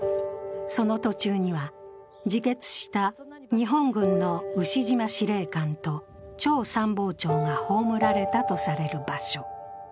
その途中には自決した日本軍の牛島司令官と長参謀長が葬られたとされる場所。